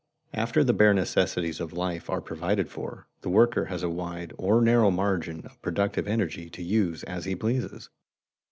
_ After the bare necessities of life are provided for, the worker has a wide or narrow margin of productive energy to use as he pleases.